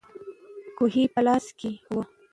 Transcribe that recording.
کوهی په لاس کې وو.